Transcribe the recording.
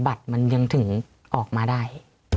บัตรมันยังถึงออกมาได้